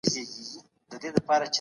ما ته د خپلو تېرو خاطرو یادونه مه کوه.